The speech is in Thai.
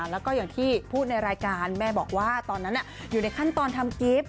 แล้วก็อย่างที่พูดในรายการแม่บอกว่าตอนนั้นอยู่ในขั้นตอนทำกิฟต์